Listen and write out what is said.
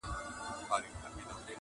سفر دی بدل سوی، منزلونه نا اشنا دي،